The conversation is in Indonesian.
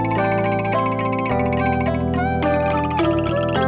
aku akan menunggumu seuyung para penelimo